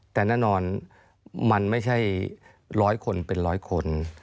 แต่แน่นอนมันไม่ใช่ร้อยคนเป็นร้อยคน